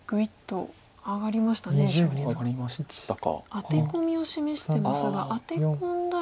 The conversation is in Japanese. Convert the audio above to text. アテコミを示してますがアテ込んだら。